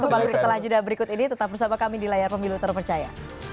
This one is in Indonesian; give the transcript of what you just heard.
kita lanjutkan berikut ini tetap bersama kami di layar pemilu terpercaya